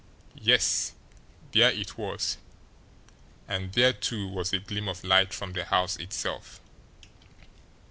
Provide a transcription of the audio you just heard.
Yes; there it was and there, too, was a gleam of light from the house itself.